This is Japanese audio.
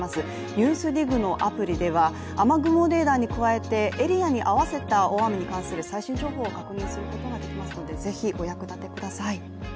「ＮＥＷＳＤＩＧ」のアプリでは雨雲レーダーに加えてエリアに会わせた大雨に関する最新情報を確認することができますので是非、お役立てください。